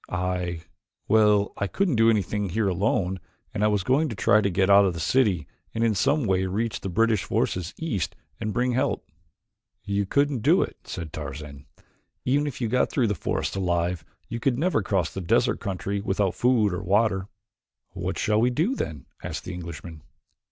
"I well, I couldn't do anything here alone and I was going to try to get out of the city and in some way reach the British forces east and bring help." "You couldn't do it," said Tarzan. "Even if you got through the forest alive you could never cross the desert country without food or water." "What shall we do, then?" asked the Englishman.